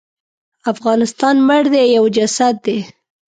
افغانستان مړ دی یو جسد دی.